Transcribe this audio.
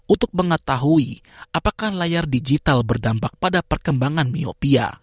untuk mengetahui apakah layar digital berdampak pada perkembangan miopia